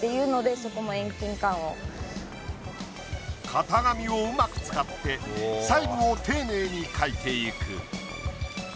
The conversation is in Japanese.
型紙をうまく使って細部を丁寧に描いていく。